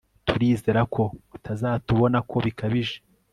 Turizera ko utazatubona ko bikabije